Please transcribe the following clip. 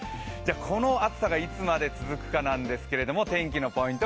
この暑さがいつまで続くかなんですけど天気のポイント